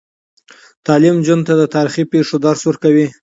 تعلیم نجونو ته د تاریخي پیښو درس ورکوي.